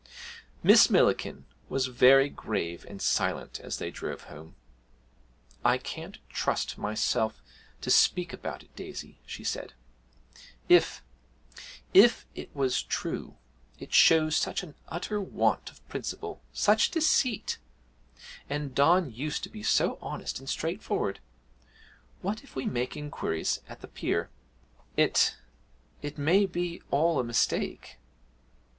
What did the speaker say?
Miss Millikin was very grave and silent as they drove home. 'I can't trust myself to speak about it, Daisy,' she said; 'if if it was true, it shows such an utter want of principle such deceit; and Don used to be so honest and straightforward! What if we make inquiries at the pier? It it may be all a mistake.'